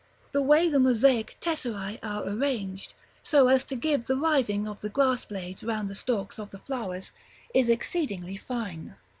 The way the mosaic tesseræ are arranged, so as to give the writhing of the grass blades round the stalks of the flowers, is exceedingly fine.